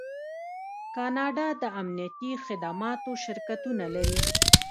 کاناډا د امنیتي خدماتو شرکتونه لري.